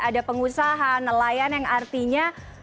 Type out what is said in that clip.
ada pengusaha nelayan yang artinya